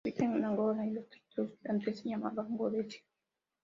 Habita en Angola y en los territorios que antes se llamaban Rodesia.